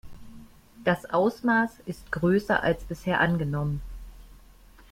Das Ausmaß ist größer als bisher angenommen.